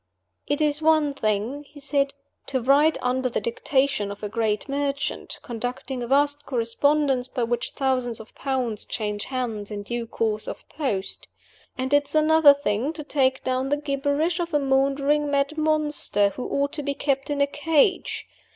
"It's one thing," he said, "to write under the dictation of a great merchant, conducting a vast correspondence by which thousands of pounds change hands in due course of post. And it's another thing to take down the gibberish of a maundering mad monster who ought to be kept in a cage.